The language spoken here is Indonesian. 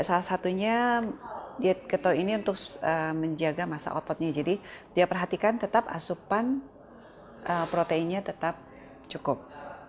salah satunya diet keto ini untuk menjaga masa ototnya jadi dia perhatikan tetap asupan proteinnya tetap cukup